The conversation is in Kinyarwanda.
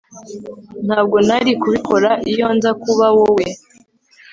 Ntabwo nari kubikora iyo nza kuba wowe